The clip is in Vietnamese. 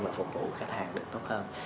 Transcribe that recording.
và phục vụ khách hàng được tốt hơn